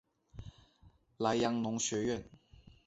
莱阳农学院。